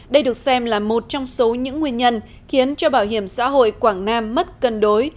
đây được xem là một trong số những nguyên nhân khiến cho bảo hiểm xã hội quảng nam mất cân đối